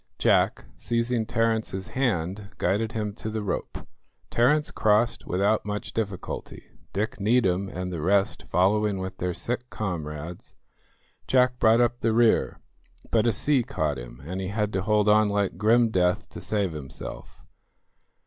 Jack, seizing Terence's hand, guided him to the rope. Terence crossed without much difficulty, Dick Needham and the rest following with their sick comrades; Jack brought up the rear, but a sea caught him, and he had to hold on like grim death to save himself.